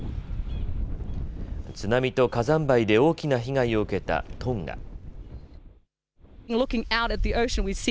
津波と火山灰で大きな被害を受けたトンガ。